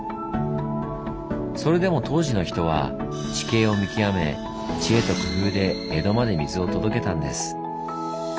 それでも当時の人は地形を見極め知恵と工夫で江戸まで水を届けたんです。